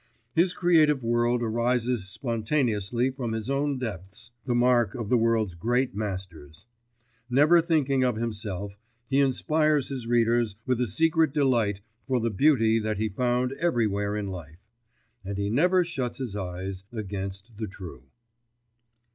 His creative world arises spontaneously from his own depths the mark of the world's great masters. Never thinking of himself, he inspires his readers with a secret delight for the beauty that he found everywhere in life. And he never shuts his eyes against the true.